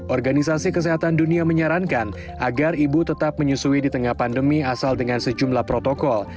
organisasi kesehatan dunia menyarankan agar ibu tetap menyusui di tengah pandemi asal dengan sejumlah protokol